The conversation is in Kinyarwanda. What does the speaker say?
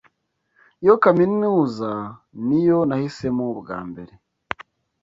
Iyo kaminuza niyo nahisemo bwa mbere.